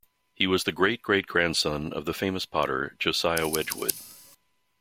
He was the great-great-grandson of the famous potter Josiah Wedgwood.